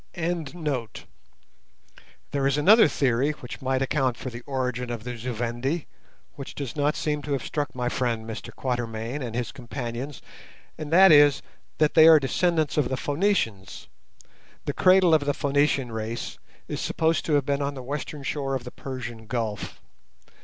There is another theory which might account for the origin of the Zu Vendi which does not seem to have struck my friend Mr Quatermain and his companions, and that is, that they are descendants of the Phœnicians. The cradle of the Phœnician race is supposed to have been on the western shore of the Persian Gulf.